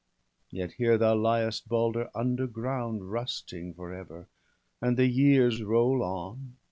Yet here thou liest, Balder, underground, Rusting for ever; and the years roll on.